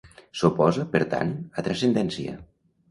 S'oposa, per tant, a transcendència.